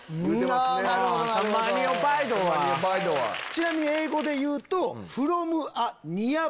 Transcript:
ちなみに英語で言うと。